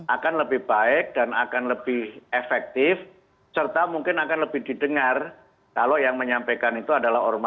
akan lebih baik dan akan lebih efektif serta mungkin akan lebih didengar kalau yang menyampaikan itu adalah ormas